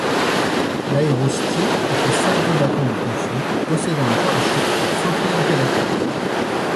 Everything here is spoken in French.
L'aérostier était seul combattant du conflit possédant un parachute pour sauter en cas d'attaque.